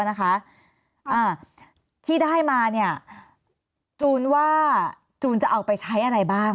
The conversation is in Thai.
อ่าที่ได้มาเนี่ยจูนว่าจูนจะเอาไปใช้อะไรบ้าง